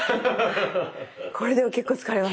これでも結構疲れます。